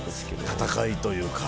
闘いというか。